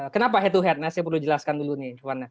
kenapa head to head saya perlu jelaskan dulu nih